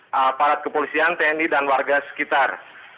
aparat kepolisian tni dan warga sekitar